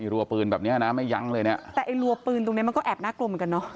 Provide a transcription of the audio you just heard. รัวปืนแบบเนี้ยนะไม่ยั้งเลยเนี้ยแต่ไอ้รัวปืนตรงเนี้ยมันก็แอบน่ากลัวเหมือนกันเนอะ